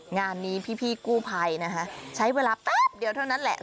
งานนี้พี่กู้ภัยนะคะใช้เวลาแป๊บเดียวเท่านั้นแหละ